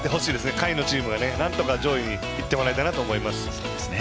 下位のチームがなんとか上位にいってもらえたらと思います。